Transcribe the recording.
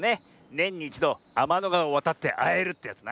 ねんに１どあまのがわをわたってあえるってやつな。